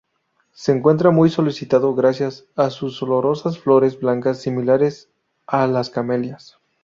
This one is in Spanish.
Se encuentra muy solicitado gracias a sus olorosas flores blancas, similares a las camelias.